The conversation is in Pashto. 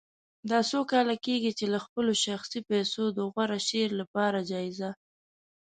دا څو کاله کېږي چې له خپلو شخصي پیسو د غوره شعر لپاره جایزه